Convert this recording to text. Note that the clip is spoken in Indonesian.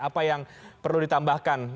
apa yang perlu ditambahkan